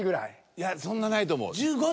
いやそんなないと思う。